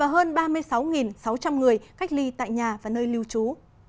hơn ba mươi sáu sáu trăm linh người cách ly tại nhà và nơi lưu trú